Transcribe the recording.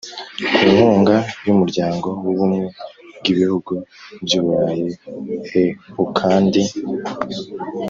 Ku nkunga y Umuryango w Ubumwe bw Ibihugu by Uburayi E U kandi